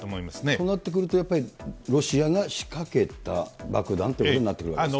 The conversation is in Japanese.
となってくると、やっぱりロシアが仕掛けた爆弾ということになってくるわけですか。